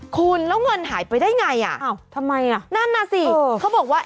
คุณแล้วเงินหายไปได้อย่างไรอ่ะนั่นนะสิเขาบอกว่า